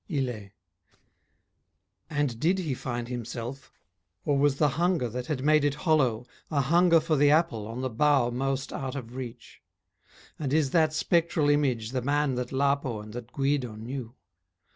ILLE And did he find himself, Or was the hunger that had made it hollow A hunger for the apple on the bough Most out of reach? and is that spectral image The man that Lapo and that Guido knew?